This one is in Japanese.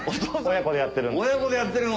親子でやってるの？